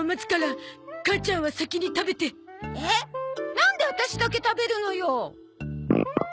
なんでワタシだけ食べるのよ？